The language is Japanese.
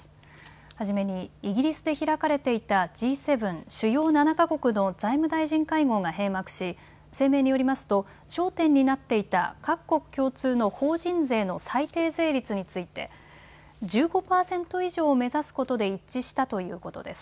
初めにイギリスで開かれていたＧ７・主要７か国の財務大臣会合が閉幕し声明によりますと焦点になっていた各国共通の法人税の最低税率について１５％以上を目指すことで一致したということです。